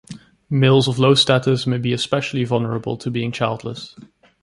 Males of low status may be especially vulnerable to being childless.